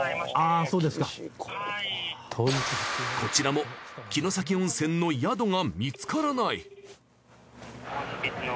あそうですか。こちらも城崎温泉の宿が見つからない。